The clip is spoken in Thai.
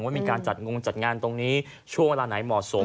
ว่ามีการจัดงานตรงนี้ช่วงเวลาไหนเหมาะสม